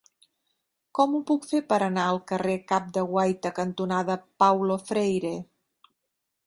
Com ho puc fer per anar al carrer Cap de Guaita cantonada Paulo Freire?